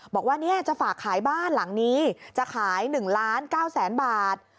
บอกว่าเนี่ยจะฝากขายบ้านหลังนี้จะขาย๑๙๐๐๐๐๐บาท